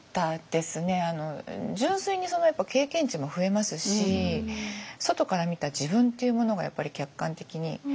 純粋に経験値も増えますし外から見た自分っていうものがやっぱり客観的に。